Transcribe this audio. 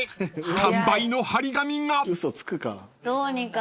完売の張り紙が］